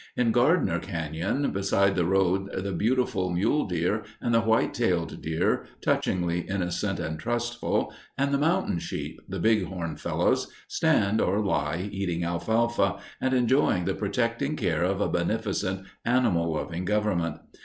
In Gardiner Cañon beside the road the beautiful mule deer and the white tailed deer, touchingly innocent and trustful, and the mountain sheep the big horn fellows stand or lie, eating alfalfa, and enjoying the protecting care of a beneficent, animal loving government.